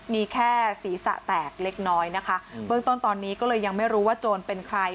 มีแค่ศีรษะแตกเล็กน้อยนะคะเบื้องต้นตอนนี้ก็เลยยังไม่รู้ว่าโจรเป็นใคร